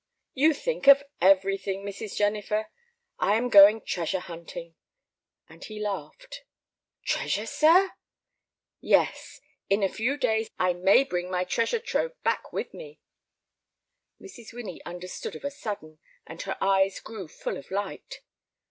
"You think of everything, Mrs. Jennifer. I am going treasure hunting." And he laughed. "Treasure, sir?" "Yes. In a few days I may bring my treasure trove back with me." Mrs. Winnie understood of a sudden, and her eyes grew full of light.